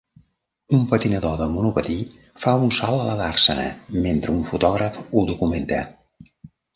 Un patinador de monopatí fa un salt a la dàrsena mentre un fotògraf ho documenta.